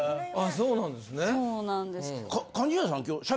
そうなんです。